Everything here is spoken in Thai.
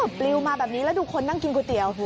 ปลิวมาแบบนี้แล้วดูคนนั่งกินก๋วยเตี๋ยว